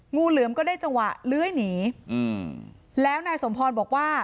งูเหลือมก็ได้จังหวะเลื้อยหนีอืมแล้วนายสมพรบอกว่า